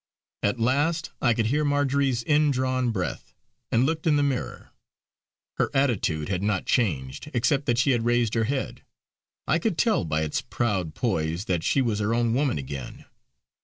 At last I could hear Marjory's in drawn breath, and looked in the mirror. Her attitude had not changed, except that she had raised her head; I could tell by its proud poise that she was her own woman again.